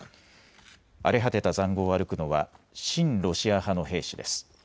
荒れ果てたざんごうを歩くのは親ロシア派の兵士です。